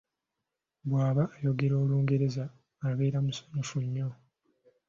Bw’aba ayogera Olungereza abeera musanyufu nnyo.